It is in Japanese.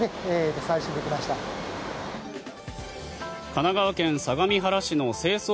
神奈川県相模原市の清掃